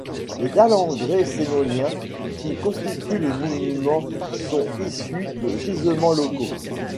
Les dalles en grès sénonien qui constituent le monument sont issues de gisements locaux.